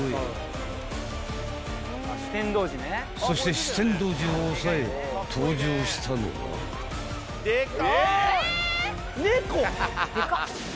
［そして酒呑童子をおさえ登場したのは］でかっあ！